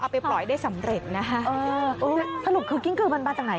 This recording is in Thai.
ไปปล่อยได้สำเร็จนะคะสรุปคือกิ้งกือมันมาจากไหน